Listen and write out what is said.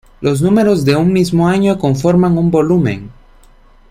Los números de un mismo año conforman un volumen.